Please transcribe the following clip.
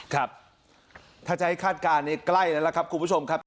ครับถ้าจะให้คาดการณ์ในใกล้แล้วล่ะครับคุณผู้ชมครับ